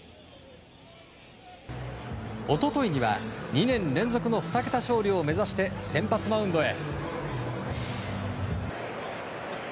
一昨日には２年連続の２桁勝利を目指して先発マウンドへ。